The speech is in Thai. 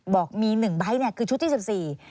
บอกมีหนึ่งใบเนี่ยคือชุดที่สิบสี่